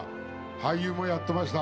俳優もやってました。